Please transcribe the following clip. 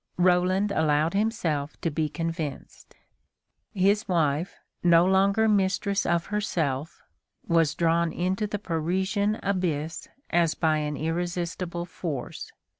Roland allowed himself to be convinced. His wife, no longer mistress of herself, was drawn into the Parisian abyss as by an irresistible force.